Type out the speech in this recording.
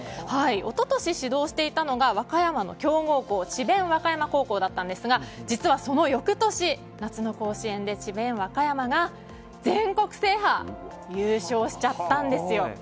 一昨年指導していたのが和歌山の強豪校智弁和歌山高校だったんですが実はその翌年、夏の甲子園で智弁和歌山が全国制覇優勝しちゃったんですよ！